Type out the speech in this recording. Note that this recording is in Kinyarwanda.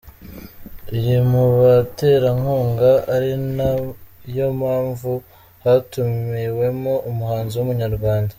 iri mu baterankunga ari na yo mpamvu hatumiwemo umuhanzi w’Umunyarwanda.